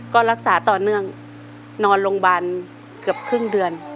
ก็รักษาต่อเนื่องนอนโรงพยาบาลเกือบครึ่งเดือน